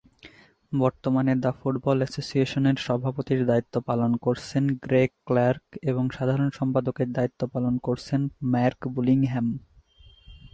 বর্তমানে the football অ্যাসোসিয়েশনের সভাপতির দায়িত্ব পালন করছেন গ্রেগ ক্লার্ক এবং সাধারণ সম্পাদকের দায়িত্ব পালন করছেন মার্ক বুলিংহ্যাম।